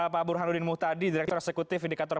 pak burhanuddin muhtadi direktur eksekutif indikator